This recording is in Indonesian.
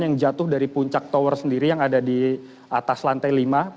yang jatuh dari puncak tower sendiri yang ada di atas lantai lima